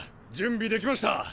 準備できました！